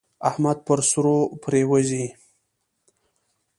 احمد پر سرو پرېوزي.